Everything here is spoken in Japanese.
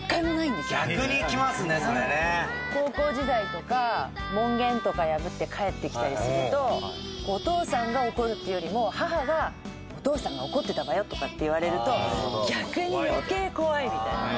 「高校時代とか門限とか破って帰ってきたりするとお父さんが怒るっていうより母が『お父さんが怒ってたわよ』って言われると逆に余計怖いみたいな」